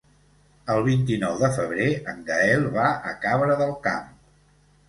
El vint-i-nou de febrer en Gaël va a Cabra del Camp.